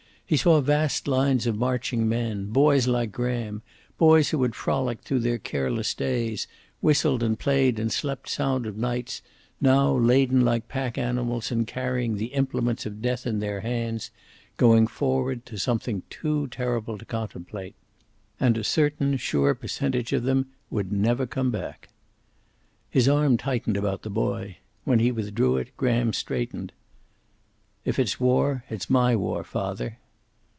He saw vast lines of marching men, boys like Graham, boys who had frolicked through their careless days, whistled and played and slept sound of nights, now laden like pack animals and carrying the implements of death in their hands, going forward to something too terrible to contemplate. And a certain sure percentage of them would never come back. His arm tightened about the boy. When he withdrew it Graham straightened. "If it's war, it's my war, father."